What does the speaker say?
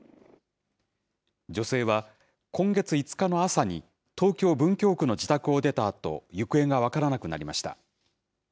女性は、今月５日の朝に東京・文京区の自宅を出たあと、行方が分からなくなりました。